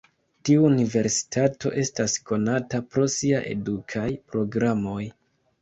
Tiu universitato estas konata pro sia edukaj programoj.